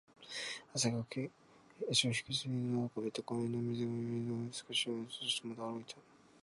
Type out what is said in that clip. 汗をかき、足を引きずり、喉が渇いたら公園の水飲み場で水を飲み、少し休み、そしてまた歩いた